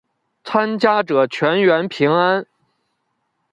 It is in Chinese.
参加者全员平安。